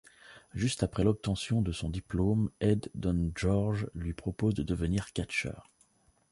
Juste après l'obtention de son diplôme, Ed Don George lui propose de devenir catcheur.